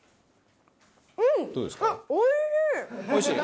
おいしい？